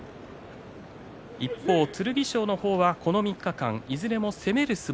一方、剣翔はこの３日間にいずれも攻める相撲。